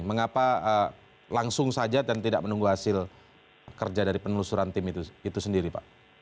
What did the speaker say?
mengapa langsung saja dan tidak menunggu hasil kerja dari penelusuran tim itu sendiri pak